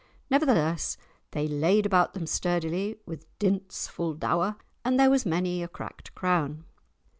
Nevertheless, they laid about them sturdily, with "dints full dour," and there was many a cracked crown.